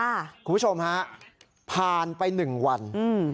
คุณผู้ชมฮะผ่านไปหนึ่งวันอืม